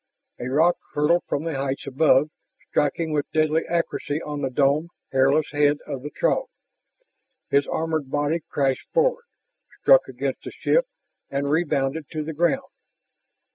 A rock hurtled from the heights above, striking with deadly accuracy on the domed, hairless head of the Throg. His armored body crashed forward, struck against the ship, and rebounded to the ground.